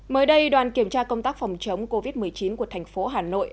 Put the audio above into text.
mới đây đoàn kiểm tra công tác phòng chống covid một mươi chín của thành phố hà nội